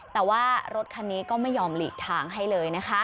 แต่ว่ารถคันนี้ก็ไม่ยอมหลีกทางให้เลยนะคะ